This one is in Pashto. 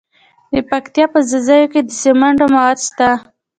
د پکتیا په ځاځي کې د سمنټو مواد شته.